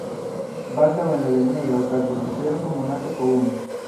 Baldaŭ en la lernejo okazis diservo monate po unu.